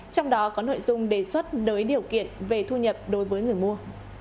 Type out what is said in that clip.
trong đó có nội dung đề xuất nới điều kiện về thu nhập đối với người mua